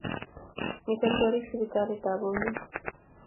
Miteb chorik sipitali ab Bomet